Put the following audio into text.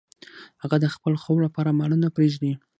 هغه د خپل خوب لپاره مالونه پریږدي.